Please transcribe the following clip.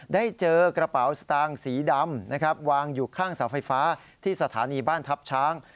ได้เจอกระเป๋าสตางค์สีดำนะครับวางอยู่ข้างเสาไฟฟ้าที่สถานีบ้านทัพช้าง